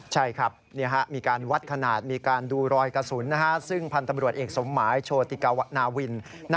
ใช่ครับเนี่ยฮะมีการวัดขนาดมีการดูรอยกระสุนนะฮะ